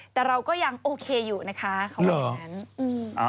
แต่เราก็ยังโอเคอยู่นะคะเขาบอกอย่างนั้น